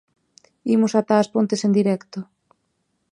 Imos ata as Pontes en directo.